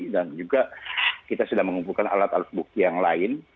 dan juga kita sudah mengumpulkan alat alat bukti yang lain